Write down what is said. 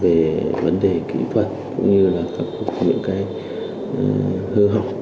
về vấn đề kỹ thuật cũng như là các cuộc những cái hư học